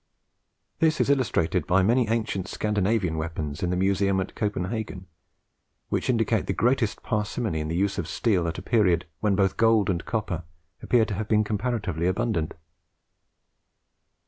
This is illustrated by many ancient Scandinavian weapons in the museum at Copenhagen, which indicate the greatest parsimony in the use of steel at a period when both gold and copper appear to have been comparatively abundant.